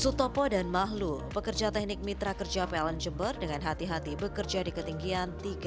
sutopo dan mahlu pekerja teknik mitra kerja pln jember dengan hati hati bekerja di ketinggian